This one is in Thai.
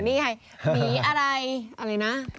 หมีอะไรอะไรนะ